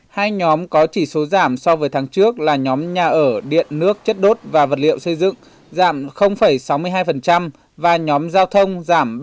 hai nhóm có chỉ số giảm so với tháng trước là nhóm nhà ở điện nước chất đốt và vật liệu xây dựng giảm sáu mươi hai và nhóm giao thông giảm ba mươi